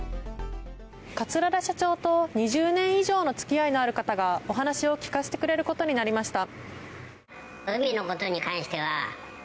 桂田社長と２０年以上の付き合いのある方がお話を聞かせてくれることになりました。